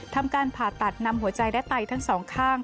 ทำการผ่าตัดนำหัวใจและไตทั้งสองข้าง